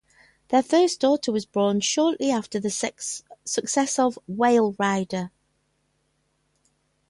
Their first daughter was born shortly after the success of "Whale Rider".